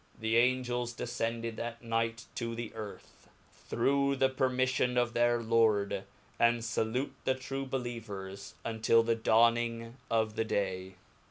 The Angels defcended that liiight to xhe earth, th9r rough the permiffion of their Lord, and falute the tri^e .belie vers, untill the dawning of the day.